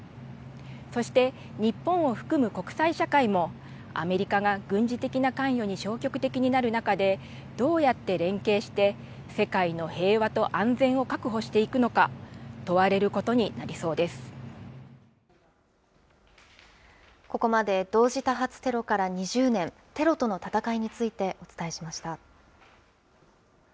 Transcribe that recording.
そして日本を含む国際社会も、アメリカが軍事的な関与に消極的になる中で、どうやって連携して、世界の平和と安全を確保していくのか、問われることになりそうでここまで、同時多発テロから２０年、テロとの戦いについてお伝えしました。